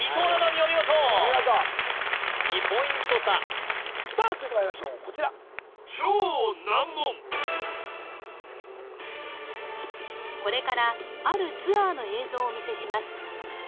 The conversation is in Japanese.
お見事お見事２ポイント差さあ続いてまいりましょうこちらこれからあるツアーの映像をお見せします